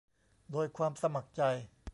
โดยความสมัครใจ